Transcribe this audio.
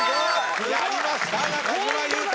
やりました中島裕翔！